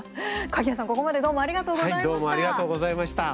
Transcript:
鍵屋さん、ここまでどうもありがとうございました。